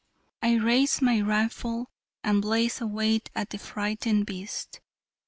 I raise my rifle and blaze away at the frightened beast.